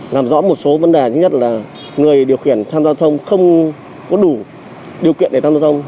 làm rõ một số vấn đề thứ nhất là người điều khiển tham gia giao thông không có đủ điều kiện để tham gia giao thông